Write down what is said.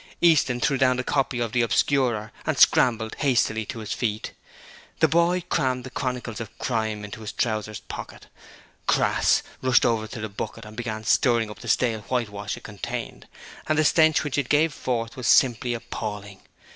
Easton threw down the copy of the Obscurer and scrambled hastily to his feet. The boy crammed the Chronicles of Crime into his trousers pocket. Crass rushed over to the bucket and began stirring up the stale whitewash it contained, and the stench which it gave forth was simply appalling.